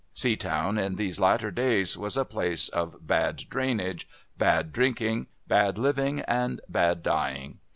Seatown, in these latter days, was a place of bad drainage, bad drinking, bad living and bad dying.